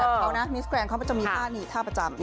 แต่เขานะมิสแกรนดเขามันจะมีท่านี้ท่าประจำ